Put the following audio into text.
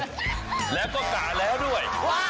แล้วก็กะแล้วด้วย